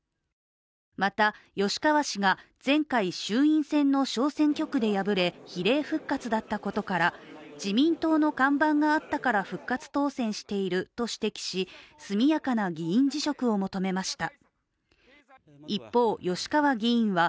また、吉川氏が前回衆院選の小選挙区で敗れ比例復活だったことから自民党の看板があったから復活当選していると指摘し速やかな議員辞職を求めました。